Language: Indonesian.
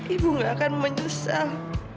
ibu gak akan menyesal